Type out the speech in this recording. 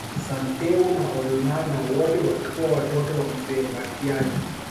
Santeu na Olonana wote walikuwa Watoto wa mzee Mbatiany